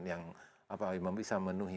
yang bisa menuhi